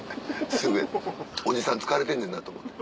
おじさん疲れてんねんなと思って。